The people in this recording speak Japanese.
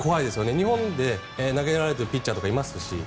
日本で投げられているピッチャーとかいますし。